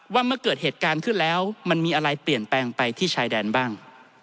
ว่าเมื่อเกิดเหตุการณ์ขึ้นแล้วมันมีอะไรเปลี่ยนแปลงไปที่ชายแดนบ้าง